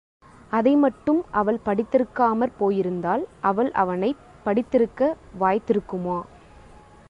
அதை மட்டும் அவள் படித்திருக்காமற் போயிருந்தால், அவள் அவனைப் படித்திருக்க வாய்த் திருக்குமா?